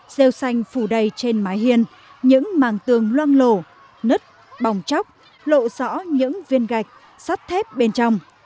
gieo xanh phủ đầy trên mái hiên những màng tường loang lộ nứt bỏng chóc lộ rõ những viên gạch sắt thép bên trong